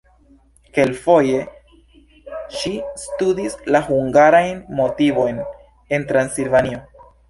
Kelkfoje ŝi studis la hungarajn motivojn en Transilvanio.